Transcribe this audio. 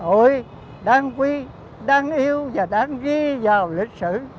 ôi đang quý đang yêu và đang ghi vào lịch sử